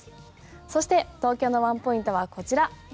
そして東京のワンポイントはこちら。